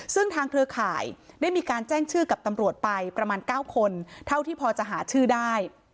ซึ่งทางเครือข่ายได้มีการแจ้งชื่อกับตำรวจไปประมาณ๙คนเท่าที่พอจะหาชื่อได้